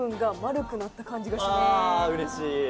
あうれしいな。